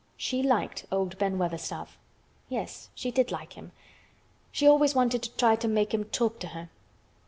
She liked old Ben Weatherstaff. Yes, she did like him. She always wanted to try to make him talk to her.